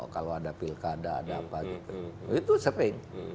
kalau ada pilkada ada apa gitu itu sering